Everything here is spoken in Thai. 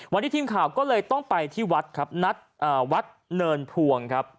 วันนี้ทีมข่าวก็เลยต้องไปที่วัดครับนัดวัดเนินพวงครับ